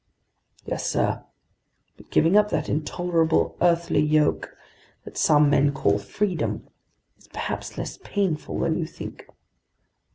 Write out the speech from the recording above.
"Yes, sir. But giving up that intolerable earthly yoke that some men call freedom is perhaps less painful than you think!"